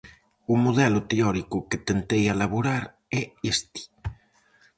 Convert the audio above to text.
O modelo teórico que tentei elaborar é este.